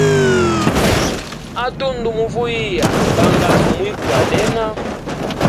A tundu muvuyiya bangasu mwikwalena.